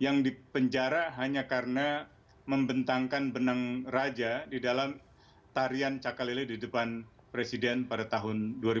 yang dipenjara hanya karena membentangkan benang raja di dalam tarian cakalele di depan presiden pada tahun dua ribu dua